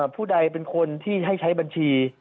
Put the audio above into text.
ผู้ใดเป็นคนที่ให้ใช้บัญชี